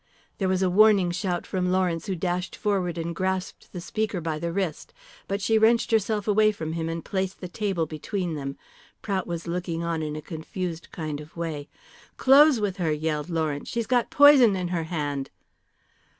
There was a warning shout from Lawrence, who dashed forward and grasped the speaker by the wrist. But she wrenched herself away from him, and placed the table between them. Prout was looking on in a confused kind of way. "Close with her," yelled Lawrence, "she's got poison in her hand."